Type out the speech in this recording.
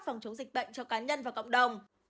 phòng chống dịch bệnh cho cá nhân và cộng đồng